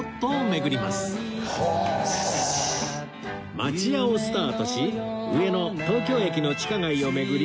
町屋をスタートし上野東京駅の地下街を巡り